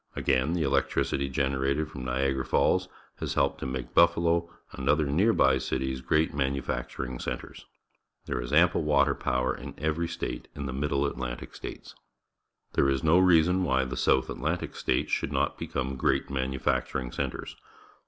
Again, the electri city generated from Niagara Falls has helped to make Buffalo and other near by cities great manufacturing centres. There is ample Picking Cotton, Round Pond, Arkansas water power in every state in the JNIiddle Atlantic States. There is no reason why the South Atlantic States should not become great manufactur ing centres.